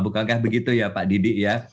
bukankah begitu ya pak didi ya